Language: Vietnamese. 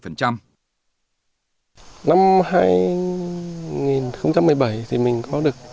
năm hai nghìn một mươi bảy thì mình có được